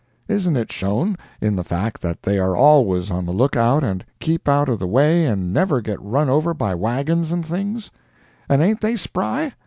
—isn't it shown in the fact that they are always on the look out and keep out of the way and never get run over by wagons and things? And ain't they spry?